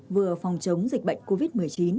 vừa phòng chống dịch bệnh covid một mươi chín